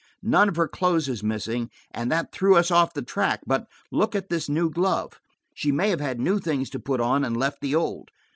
None of her clothes is missing, and that threw us off the track; but look at this new glove! She may have had new things to put on and left the old.